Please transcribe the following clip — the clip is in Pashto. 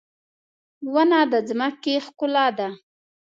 • ونه د ځمکې ښکلا ده.